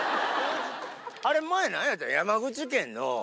あれ、前なんやったん、山口県の。